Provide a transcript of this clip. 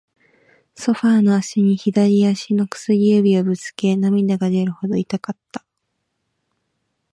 ソファーの脚に、左足の薬指をぶつけ、涙が出るほど痛かった。